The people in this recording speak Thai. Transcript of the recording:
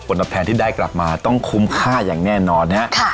ตอบแทนที่ได้กลับมาต้องคุ้มค่าอย่างแน่นอนนะครับ